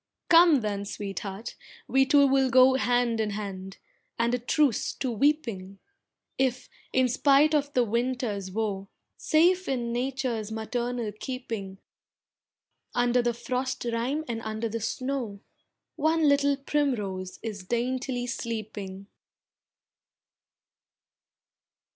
Come then sweetheart, we two will go Hand in hand, and a truce to weeping, If, in spite of the winter's woe, Safe in Nature's maternal keeping Under the frost rime and under the snow, One little primrose is daintily sleeping.